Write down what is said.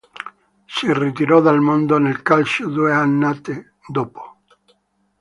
Si ritirò dal mondo del calcio due annate dopo.